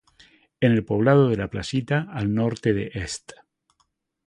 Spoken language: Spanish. En el poblado de La Playita, al norte de Est.